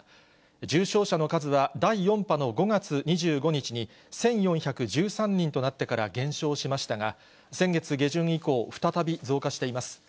重症者の数は、第４波の５月２５日に、１４１３人となってから減少しましたが、先月下旬以降、再び増加しています。